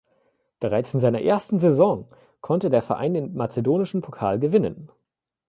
Bereits in seiner ersten Saison konnte der Verein den mazedonischen Pokal gewinnen.